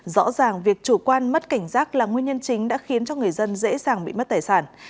rõ ràng việc chủ quan mất cảnh giác là nguyên nhân chính đã khiến cho người dân dễ dàng bị mất tài sản